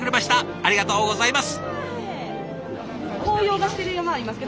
ありがとうございます。